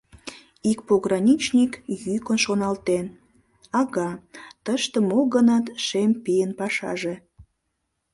Ик пограничник йӱкын шоналтен: А-га, тыште мо-гынат шем пийын пашаже!